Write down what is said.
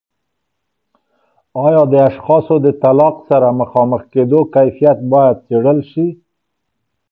آیا د اشخاصو د طلاق سره مخامخ کیدو کیفیت باید څیړل سي؟